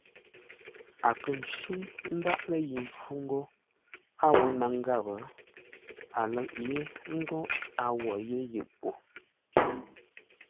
A kə̂ ncí ndáʼ lə́ yi nkhʉ̂ ńgó a wó ńnáŋ gháp, a lə̂ʼ yé ńgó a wo yé yʉʼ po.